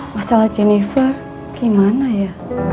masalah jennifer gimana ya